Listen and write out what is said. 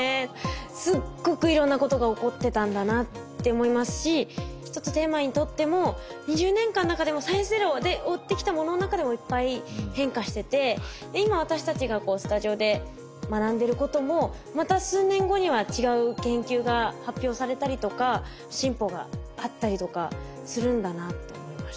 すっごくいろんなことが起こってたんだなって思いますし一つテーマに取っても２０年間の中でも「サイエンスＺＥＲＯ」で追ってきたものの中でもいっぱい変化してて今私たちがスタジオで学んでることもまた数年後には違う研究が発表されたりとか進歩があったりとかするんだなと思いました。